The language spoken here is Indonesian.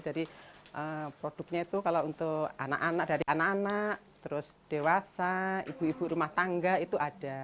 jadi produknya itu kalau untuk anak anak dari anak anak terus dewasa ibu ibu rumah tangga itu ada